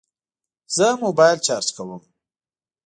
زه موبایل چارج کوم